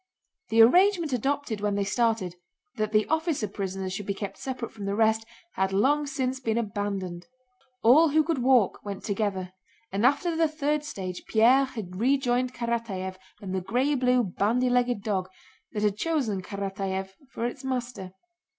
The arrangement adopted when they started, that the officer prisoners should be kept separate from the rest, had long since been abandoned. All who could walk went together, and after the third stage Pierre had rejoined Karatáev and the gray blue bandy legged dog that had chosen Karatáev for its master.